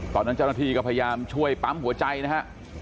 ตอนนั้นเจ้าหน้าที่ก็พยายามช่วยปั๊มหัวใจนะฮะ